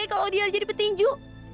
kalau dia jadi petinju